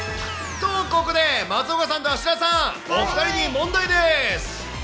と、ここで松岡さんと芦田さん、お２人に問題です。